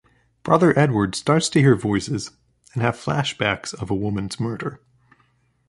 Brother Edward starts to hear voices and have flashbacks of a woman's murder.